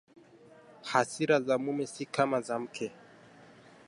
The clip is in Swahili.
Hasira za mume si kama za mke